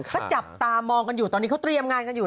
ก็จับตามองกันอยู่ตอนนี้เขาเตรียมงานกันอยู่